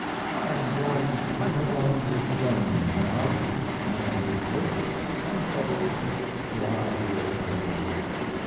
I am going right along with Joan now, and wait untroubled till I hear from you.